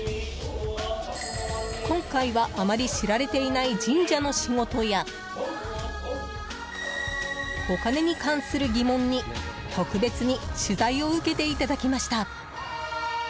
今回は、あまり知られていない神社の仕事やお金に関する疑問に特別に取材を受けていただきました。